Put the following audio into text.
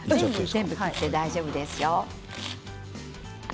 全部入れて大丈夫ですよ。